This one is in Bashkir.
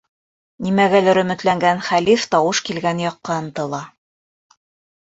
Нимәгәлер өмөтләнгән хәлиф тауыш килгән яҡҡа ынтыла.